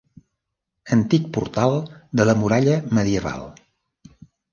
Antic portal de la muralla medieval.